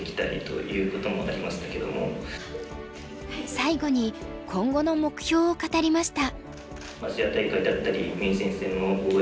最後に今後の目標を語りました。